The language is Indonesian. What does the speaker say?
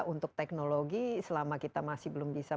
untuk teknologi selama kita masih belum bisa